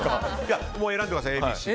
選んでください。